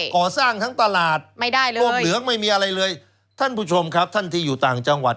ก่อสร้างทั้งตลาดไม่ได้เลยร่มเหลืองไม่มีอะไรเลยท่านผู้ชมครับท่านที่อยู่ต่างจังหวัด